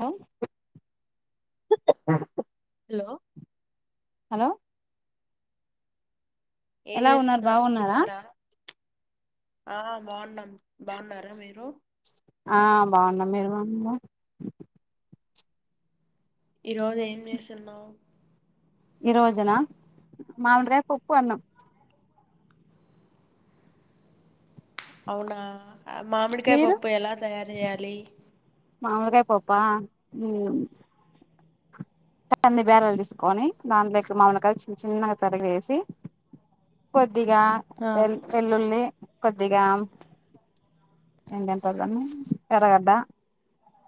హ hello hello ఏం ఎలా ఉన్నారు చేస్తున్నారు బాగున్నారా తిన్నారా! ఆ బాగున్నాం బాగున్నారా మీరు ఆ బాగున్నా మీరు బాగున్నారా ఈరోజు ఏం చేస్తున్నావు ఈ రోజున మామిడికాయ పప్పు అన్నం అవునా మామిడికాయ మీరు పప్పు ఎలా తయారు చేయాలి మామిడికాయపప్పా ంది బ్యాల తీసుకొని దాంట్లోకి మామిడికాయలు చిన్న చిన్నగా తరిగు వేసి కొద్దిగా ఆ వె వెల్లుల్లి కొద్దిగా ఎకంట వాళ్ళని ఎ్రగడ్డ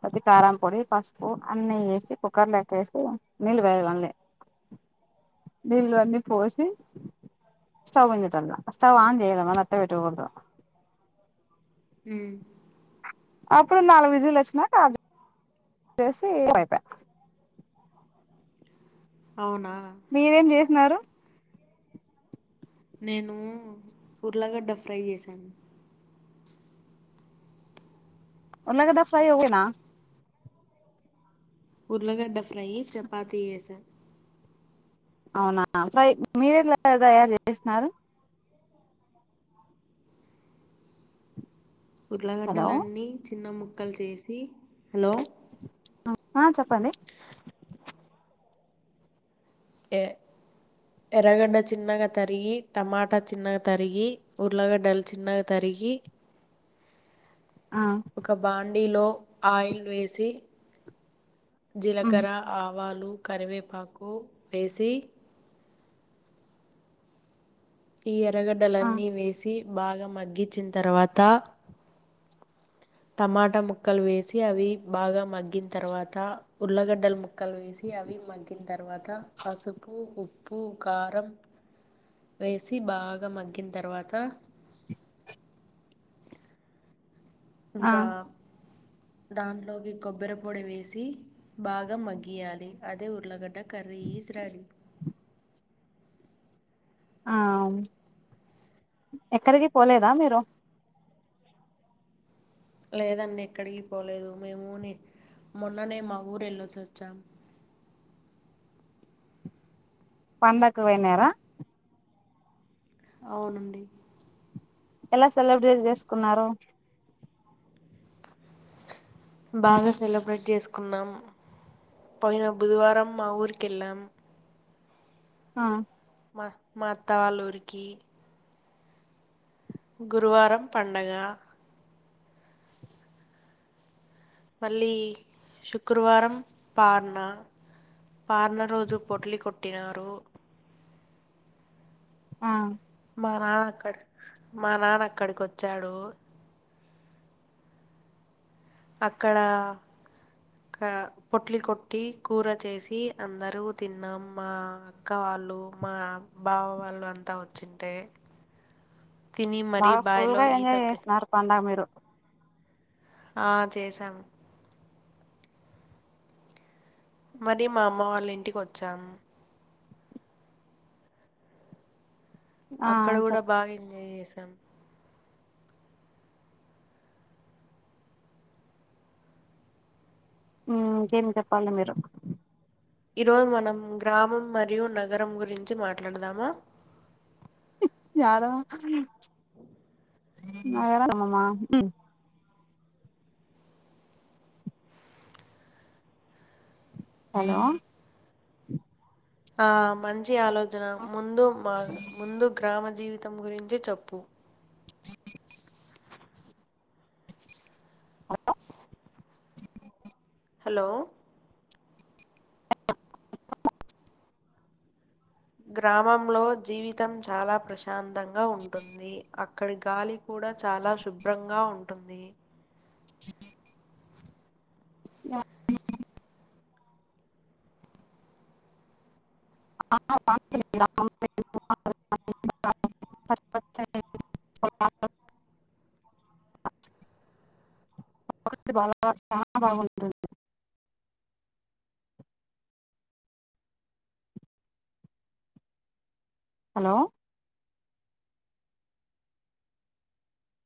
అ కారంపొడి పసుపు అన్నీ వేసి కుక్కర్లో ఎక్కేసి నీళ్ళు వేయాలడి నీల్లు అన్నీ పోసి స్టవ్ ఉజేట వాళ్ళ స్టవ్ ఆన్ చేయలేమని అత్త పెట్టకూడదు హ అప్పుడు నాలుగు విజులు వచ్చినాక చేసి అయిప అవునా మీరేం చేసినారు నేను ఉర్ళగడ్డ ఫ్రై చేశాను ఉర్లగడ్డ ఫ్రై ఒకటేనా ఉర్లగడ్డ ఫ్రై చపాతో చేసాను అవునా సై మీరేలా తయారు చేస్తున్నారు హలో ఉర్లగడ్డలన్నీ చిన్న ముక్క కల్ చేసి హలో ఆ చెప్పండి ఎ ఎర్రగడ్డ చిన్నగా తరిగి టమాటా చిన్నగా తరిగి ఉర్ళగడ్డలు చిన్నగా తరిగి ఆ ఒక బాం డిలో ఆయిల్ వేసి ఉమ్ జీలకర్ర ఆవాలు కరివేపాకు వేసి ఇ ఆ ప్రగడ్డలన్నీ వేసి బాగా మగ్గించిన తర్వాత టమాటా ముక్కలు వేసి అవి బాగా మగ్గిన తర్వాత ఉల్లగడ్డలు ముక్కలు వేసి అవి మగ్గిన తర్వాత పసుపు ఉప్పు ఉప్పు కారం వేసి బాగా మగ్గిన తర్వాత ఆ ఇంకా దాంట్లోకి కొబ్బరి పొడి వేసి బాగా మగ్గియాలి అదే ఉర్లగడ్డ కరీ ఇస్ రెడీ ఆ ఎక్కడికి పోలేదా మీరు లేదండి ఎక్కడికి పోలేదు మేము మొన్ననే మా ఊరు వెళ్ళేసి వచ్చాం పండకు పోయినారా అవునండి ఎలా సెలబ్రేట్ చేస్కున్నారు బాగా సెలబ్రేట్ చేసుకున్నాం పోయిన బుధవారం మా ఊరికెళ్ళాం. ఆ మా మాత్తవాళ్ళ ఊరికి గురువారం పండగ మళ్ళీ శుక్రువారం పార్న పార్న రోజు పొట్లి కొట్టినారు ఆ మా నాన్న అక్కడ మా నాన్న అక్కడికి వచ్చాడు అక్కడ పొట్లి కొట్టి కూర చేసి అందరూ తిన్నాం మా అక్క వాళ్ళు మా బావ వాళ్ళు అంతా వచ్చింటే. తిని మరీ బాగా ఫుల్ బాయిలో గా ఎంజాయ్ ఈతకి చేస్తున్నారు పండగ మీరు ఆ చేసాము మరీ మా అమ్మ వాళ్ళ ఇంటికి వచ్చామ్ ఆ అక్కడ కూడా చెప్ బాగా ఎంజాయ్ చేశాం ఎం హ్మ్ ఇంకేం చెప్పాలి మీరు ఈరోజు మనం గ్రామం మరియు నగరం గురించి మాట్లాడ్దామా [unintelligible] నా అమ్మమ్మ హలో ఆ మంచి ఆలోచ్ చన ముందు మా ముందు గ్రామ జీవిత తం గురించి చెప్పు హలో గ్రామంలో జీవితం చాలా ప్రశాంతంగా ఉంటుంది. అక్కడి గాలి కూడా చాలా శుభ్రంగా ఉంటుంది. ఆ [unintelligible] పకృతి బాగా చానా బాగుంటుంది హలో